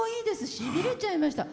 しびれちゃいました。